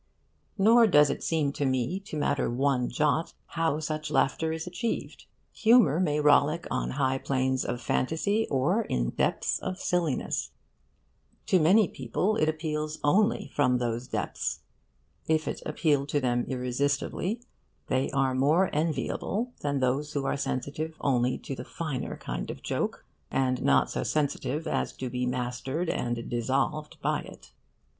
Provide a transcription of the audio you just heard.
Nor does it seem to me to matter one jot how such laughter is achieved. Humour may rollick on high planes of fantasy or in depths of silliness. To many people it appeals only from those depths. If it appeal to them irresistibly, they are more enviable than those who are sensitive only to the finer kind of joke and not so sensitive as to be mastered and dissolved by it.